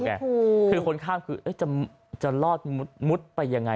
คือคนข้ามจะมุดมุดไปยังไง